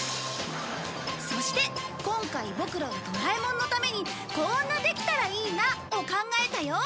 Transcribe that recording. そして今回ボクらはドラえもんのためにこんな「できたらいいな」を考えたよ！